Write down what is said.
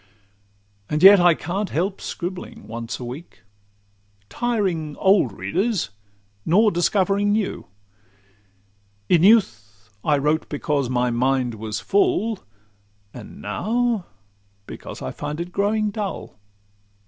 And yet I can't help scribbling once a week, Tiring old readers, nor discovering new. In youth I wrote because my mind was full, And now because I feel it growing dull.